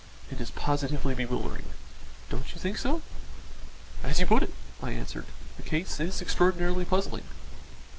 It is positively bewildering. Don't you think so?" "As you put it," I answered, "the case is extraordinarily puzzling."